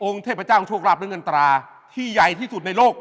องค์เทพเจ้าโชคราบนึงอันตราที่ใหญ่ที่สุดในโลก